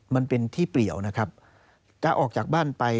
มันเป็นที่เปลี่ยวนะครับถ้าออกจากบ้านไป